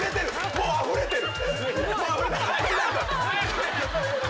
もうあふれてる！